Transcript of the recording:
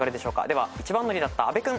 では一番乗りだった阿部君。